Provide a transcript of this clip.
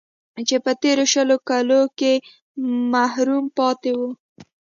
چې په تېرو شل کالو کې محروم پاتې و